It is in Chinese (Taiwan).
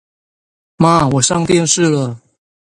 媽我上電視了